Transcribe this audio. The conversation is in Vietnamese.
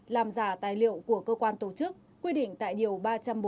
làm giả tài liệu của cơ quan tổ chức quyết định tại điều ba trăm bốn mươi một bộ luật hình sự